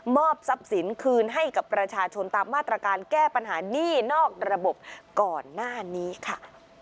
ทรัพย์สินคืนให้กับประชาชนตามมาตรการแก้ปัญหานี่นอกระบบก่อนหน้านี้ค่ะ